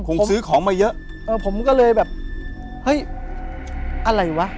คงซื้อของมาเยอะเออผมก็เลยแบบเฮ้ยอะไรวะ